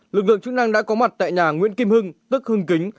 lực lượng chức năng đã có mặt tại nhà nguyễn kim hưng tức hưng kính